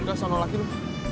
udah soalnya lagi lo